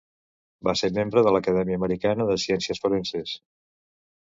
Va ser membre de l'Acadèmia Americana de Ciències Forenses.